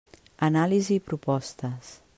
Anàlisi i propostes.